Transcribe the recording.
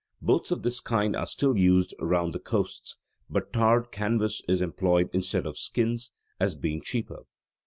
Boats of this kind are still used round the coasts, but tarred canvas is employed instead of skins, as being cheaper.